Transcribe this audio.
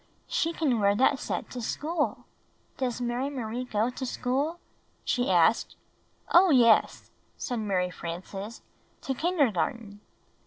"She can wear that set to school — does Mary Marie go to school? " she asked. "Oh, yes," said Mary Frances; "to kindergarten."